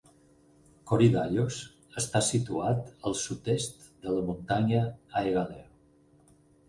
Korydallos està situat al sud-est de la muntanya Aegaleo.